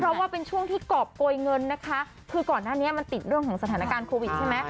เพราะว่าเป็นช่วงที่กรอบโกยเงินนะคะคือก่อนหน้านี้มันติดเรื่องของสถานการณ์โควิดใช่ไหม